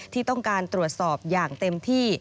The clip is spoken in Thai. ที่ต้องการตรวจสอบอย่างเต็มที่